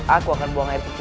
aku akan buang air kecil